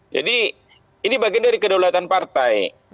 jadi ini bagian dari kedaulatan partai